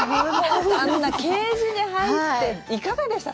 あんなケージに入って、いかがでした？